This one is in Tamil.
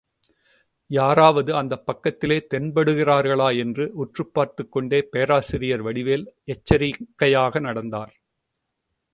யாராவது அந்தப் பக்கத்திலே தென்படுகிறார்களா என்று உற்றுப் பார்த்துக் கொண்டே பேராசிரியர் வடிவேல் எச்சரிக்கையாக நடந்தார்.